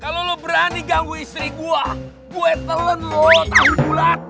kalo lo berani ganggu istri gua gue telan lo tau bulat